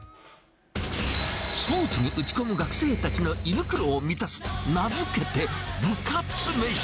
スポーツに打ち込む学生たちの胃袋を満たす名付けて、部活めし。